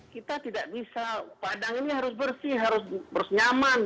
kita tidak bisa padang ini harus bersih harus nyaman